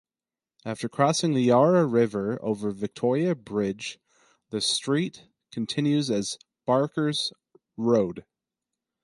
After crossing the Yarra river over Victoria Bridge the street continues as Barkers Road.